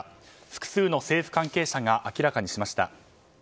複数の政府関係者が明らかにしました。